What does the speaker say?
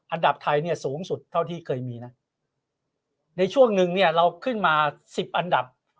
อันดับไทยเนี่ยสูงสุดเท่าที่เคยมีนะในช่วงหนึ่งเนี่ยเราขึ้นมาสิบอันดับ